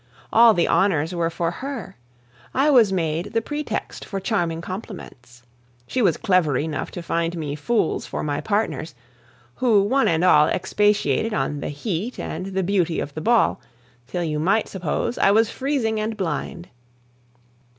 All the honors were for her; I was made the pretext for charming compliments. She was clever enough to find me fools for my partners, who one and all expatiated on the heat and the beauty of the ball, till you might suppose I was freezing and blind.